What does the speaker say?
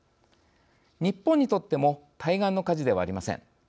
日本にとっても対岸の火事ではありません。